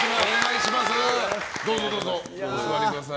どうぞどうぞ、お座りください。